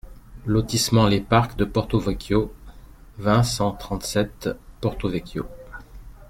Lotissement Les Parcs de Porto Vécchio, vingt, cent trente-sept Porto-Vecchio